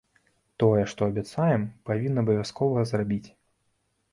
Тое, што абяцаем, павінны абавязкова зрабіць.